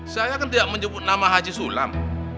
saya kan tidak menyebut nama haji sulam